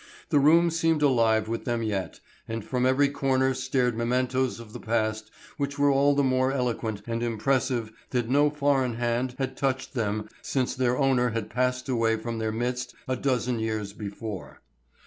The room seemed alive with them yet, and from every corner stared mementos of the past which were all the more eloquent and impressive that no foreign hand had touched them since their owner had passed away from their midst a dozen years before.